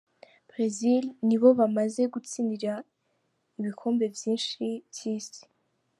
Brezil ni bo bamaze gutsindira ibikombe vyinshi vy'isi.